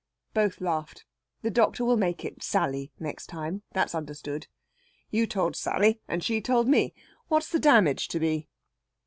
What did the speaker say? Both laughed. The doctor will make it Sally next time that's understood. "You told Sally and she told me. What's the damage to be?"